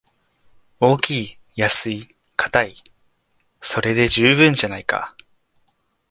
大きい安いかたい、それで十分じゃないか